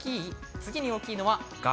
次に大きいのは「が」。